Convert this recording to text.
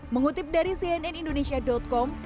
mengutip dari cnn indonesia com